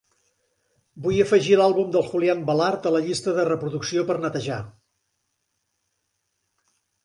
Vull afegir l'àlbum de Julian Velard a la llista de reproducció per netejar.